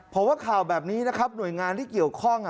เพราะว่าข่าวแบบนี้นะครับหน่วยงานที่เกี่ยวข้อง